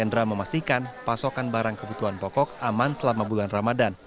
hendra memastikan pasokan barang kebutuhan pokok aman selama bulan ramadan